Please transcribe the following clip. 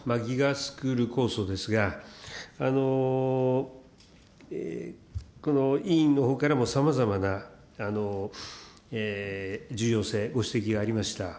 スクール構想ですが、この委員のほうからもさまざまな重要性、ご指摘がありました。